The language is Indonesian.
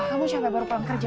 kamu juga baru pulang kerja